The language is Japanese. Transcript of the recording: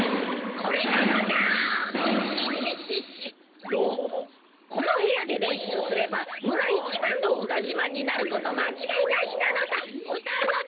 このへやでれんしゅうすればむらいちばんのうたじまんになることまちがいなしなのだ。